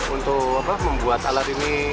untuk membuat alat ini